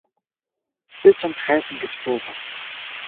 Би чамд хайлна гэж бүү бод.